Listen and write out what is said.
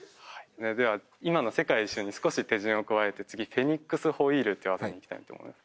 では今の「世界一周」に少し手順を加えて次「フェニックスホイール」という技に行きたいと思います。